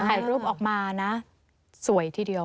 ถ่ายรูปออกมานะสวยทีเดียว